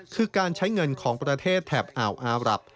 คือการใช้เงินของประเทศแถบอ่าวอารับ